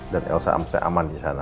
dan elsa amat aman disana